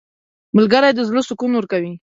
• ملګری د زړه سکون ورکوي.